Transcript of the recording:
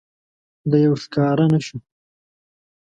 دېو ښکاره نه شو.